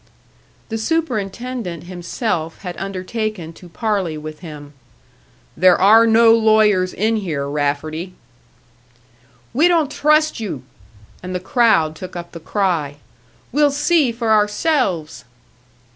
The superintendent himself had undertaken to parley with him. "There are no lawyers in here, Rafferty." "We don't trust you!" And the crowd took up the cry: "We'll see for ourselves!"